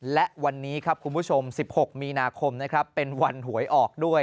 และวันนี้ครับคุณผู้ชม๑๖มีนาคมนะครับเป็นวันหวยออกด้วย